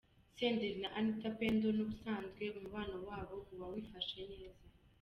Senderi na Anita Pendo n’ubusanzwe umubano wabo uba wifashe neza.